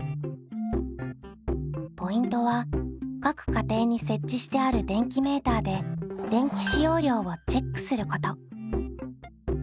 ポイントは各家庭に設置してある電気メーターで電気使用量をチェックすること。